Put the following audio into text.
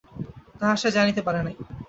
তাহা সে জানিতে পারে নাই।